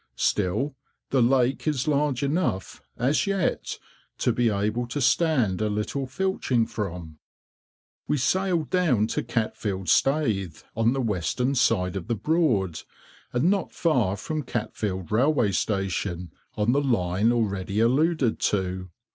Still, the lake is large enough, as yet, to be able to stand a little filching from. We sailed down to Catfield staithe, on the western side of the Broad, and not far from Catfield railway station, on the line already alluded to.